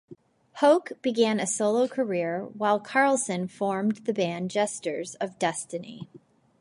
Hoke began a solo career, while Carlson formed the band Jesters of Destiny.